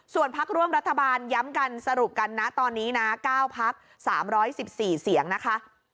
ส่วนพักร่วมรัฐบาลย้ำกันสรุปกันนะตอนนี้นะ๙พัก๓๑๔เสียงนะคะ